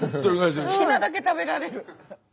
好きなだけ食べられる。